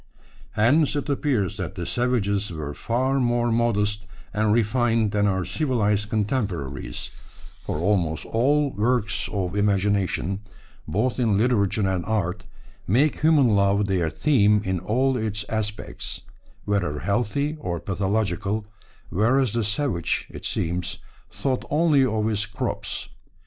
Hence it appears that the savages were far more modest and refined than our civilised contemporaries, for almost all our works of imagination, both in literature and art, make human love their theme in all its aspects, whether healthy or pathological; whereas the savage, it seems, thought only of his crops.